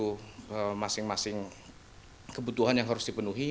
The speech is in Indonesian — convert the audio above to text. untuk masing masing kebutuhan yang harus dipenuhi